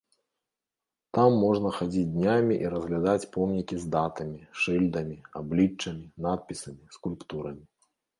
Там можна хадзіць днямі і разглядаць помнікі з датамі, шыльдамі, абліччамі, надпісамі, скульптурамі.